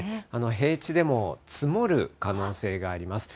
平地でも積もる可能性があります。